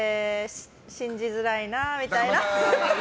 信じづらいなみたいな。